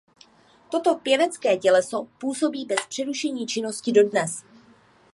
Toto pěvecké těleso působí bez přerušení činnosti dodnes.